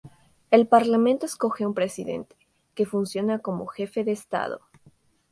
El parlamento escoge un presidente, que funciona como jefe de Estado.